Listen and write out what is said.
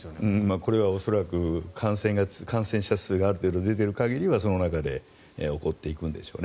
これは恐らく感染者数がある程度出ている限りはその中で起こっていくんでしょうね。